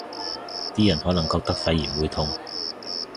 啲人可能覺得肺炎會痛